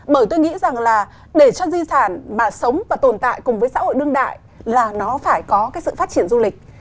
bởi tôi nghĩ rằng là để cho di sản mà sống và tồn tại cùng với xã hội đương đại là nó phải có cái sự phát triển du lịch